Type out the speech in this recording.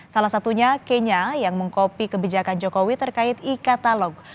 salah satunya kenya yang mengkopi kebijakan jokowi terkait e katalog